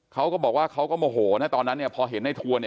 เขาก็บอกว่าเขาก็โมโหนะตอนนั้นเนี่ยพอเห็นในทวนเนี่ย